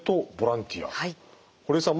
堀江さん